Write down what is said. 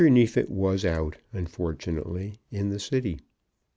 Neefit was out, unfortunately; in the City.